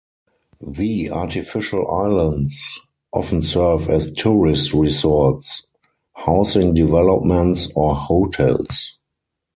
The artificial islands often serve as tourist resorts, housing developments, or hotels.